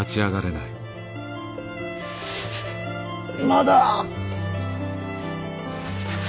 まだ。